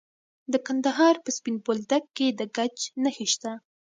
د کندهار په سپین بولدک کې د ګچ نښې شته.